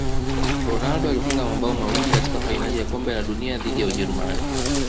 ronaldo alifunga mabao mawili katika fainali ya kombe la dunia dhidi ya ujerumani